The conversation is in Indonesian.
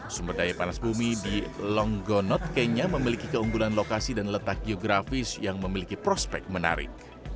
sumber daya panas bumi di longgonot kenya memiliki keunggulan lokasi dan letak geografis yang memiliki prospek menarik